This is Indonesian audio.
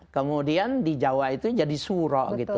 kemudian di jawa itu jadi suro gitu